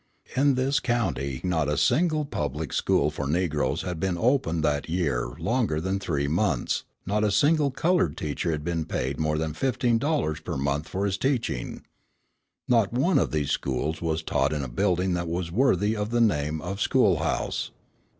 In this county not a single public school for Negroes had been open that year longer than three months, not a single coloured teacher had been paid more than $15 per month for his teaching. Not one of these schools was taught in a building that was worthy of the name of school house.